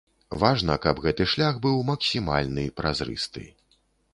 Важна, каб гэты шлях быў максімальны празрысты.